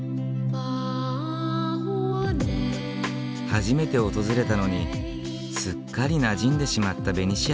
初めて訪れたのにすっかりなじんでしまったベニシアさん。